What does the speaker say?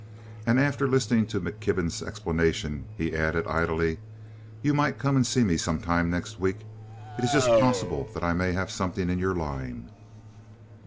And after listening to McKibben's explanation he added, idly: "You might come and see me some time next week. It is just possible that I may have something in your line."